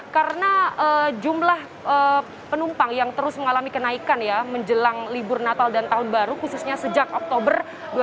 karena jumlah penumpang yang terus mengalami kenaikan ya menjelang libur natal dan tahun baru khususnya sejak oktober dua ribu dua puluh satu